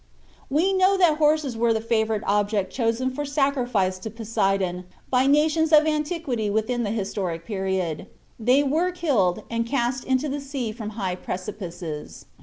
We know that horses were the favorite objects chosen for sacrifice to Poseidon by the nations of antiquity within the Historical Period; they were killed, and cast into the sea from high precipices.